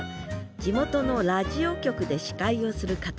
地元のラジオ局で司会をするかたわら